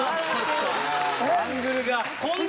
アングルが。